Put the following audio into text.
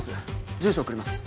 住所送ります。